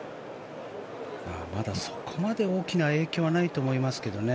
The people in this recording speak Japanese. まだそこまで大きな影響はないと思いますけどね。